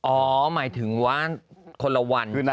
โอ้นะครับ